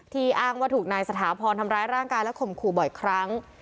อ้างว่าถูกนายสถาพรทำร้ายร่างกายและข่มขู่บ่อยครั้ง